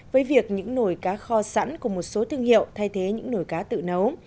với việc những nồi cá kho sẵn của một số thương hiệu thay thế những nồi cá tự nấu